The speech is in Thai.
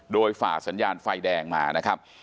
โดยฝ่าสัญญาณไฟแดงมานะครับ